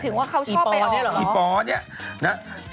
หมายถึงว่าเขาชอบไปออกอีปอร์นี่เหรออีปอร์นี่